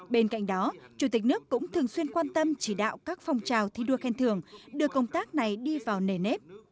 bên cạnh đó chủ tịch nước cũng thường xuyên quan tâm chỉ đạo các phong trào thi đua khen thưởng đưa công tác này đi vào nề nếp